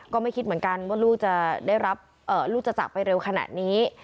ก็ไม่คิดเหมือนกันว่าลูกจะจับไปเร็วขนาดนี้